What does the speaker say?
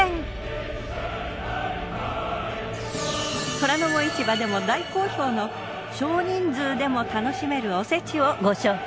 『虎ノ門市場』でも大好評の少人数でも楽しめるおせちをご紹介。